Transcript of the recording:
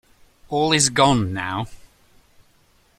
All is gone now.